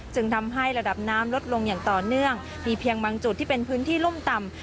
จึงทำให้ระดับน้ำลดลงอย่างต่อเนื่องมีเพียงบางจุดที่เป็นพื้นที่รุ่มต่ำ